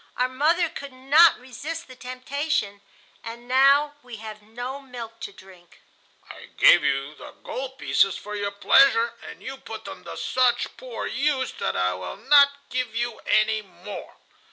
Our mother could not resist the temptation, and now we have no milk to drink. I gave you the gold pieces for your pleasure, and you put them to such poor use that I will not give you any more.